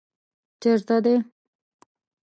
چېرته دی؟